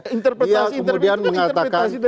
dia kemudian mengatakan